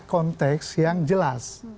konteks yang jelas